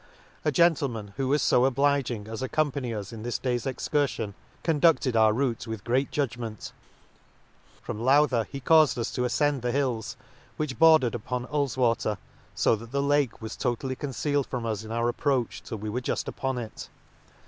A gentleman who was fo obliging as accompany us in this day's excuriion, conducted our rout with great judgment; — from Lowther, he caufed us to afcend the hills, which bordered upon Hulls' water ; fo that the Lake was totally con cealed from us in our approach till we were juft up&n it.